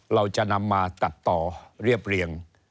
เราจะนำมาตัดต่อเรียบเรียง